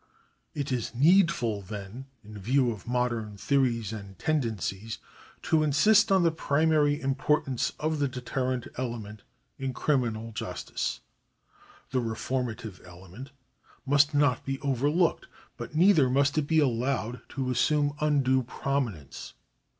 It is needful, then, in view of modern theories and ten dencies, to insist on the primary importance of the deterrent element in criminal justice. The reformative element must not be overlooked, but neither must it be allowed to assume undue prominence.